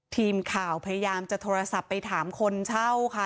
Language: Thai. ทีมข่าวพยายามจะโทรศัพท์ไปถามคนเช่าค่ะ